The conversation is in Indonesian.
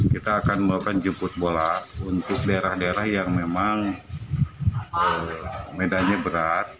kita akan melakukan jemput bola untuk daerah daerah yang memang medannya berat